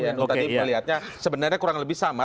nu tadi melihatnya sebenarnya kurang lebih sama